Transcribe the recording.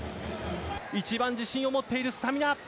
一番、自信をもっているスタミナ。